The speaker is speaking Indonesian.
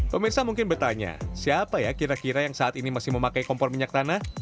pemirsa mungkin bertanya siapa ya kira kira yang saat ini masih memakai kompor minyak tanah